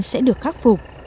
sẽ được khắc phục